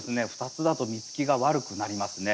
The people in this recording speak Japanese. ２つだと実つきが悪くなりますね。